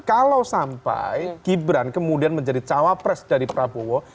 kalau sampai gibran kemudian menjadi cawapres dari prabowo